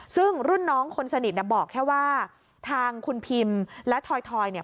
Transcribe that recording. ซึ่งรุ่นน้องคนสนิทบอกแค่ว่าทางคุณพิมและถอยเนี่ย